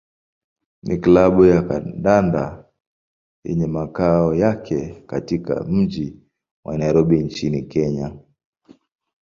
ni klabu ya kandanda yenye makao yake katika mji wa Nairobi nchini Kenya.